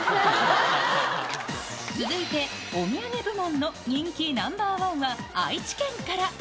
続いて、お土産部門の人気ナンバーワンは愛知県から。